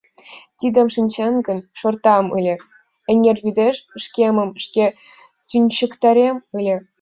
Тидым шинчем гын, шортам ыле, эҥер вӱдеш шкемым шке тӱнчыктарем ыле.